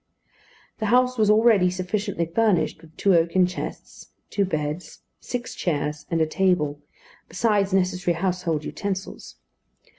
The house was already sufficiently furnished with two oaken chests, two beds, six chairs and a table, besides necessary household utensils.